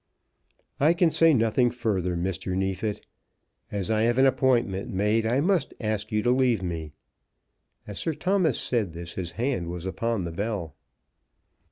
"I can say nothing further, Mr. Neefit. As I have an appointment made, I must ask you to leave me." As Sir Thomas said this, his hand was upon the bell.